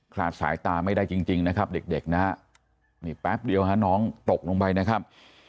ลาดสายตาไม่ได้จริงนะครับเด็กนะฮะนี่แป๊บเดียวฮะน้องตกลงไปนะครับ